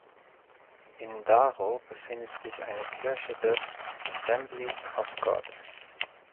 In Daro befindet sich eine Kirche der Assemblies of God.